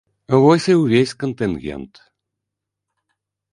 Вось і ўвесь кантынгент.